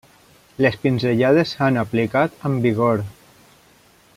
Les pinzellades s'han aplicat amb vigor.